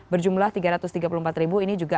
berjumlah tiga ratus tiga puluh empat ribu ini juga